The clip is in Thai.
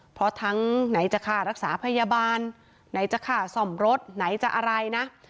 เพราะทั้งไหนจะค่ารักษาพยาบาลไหนจะค่าซ่อมรถไหนจะอะไรนะ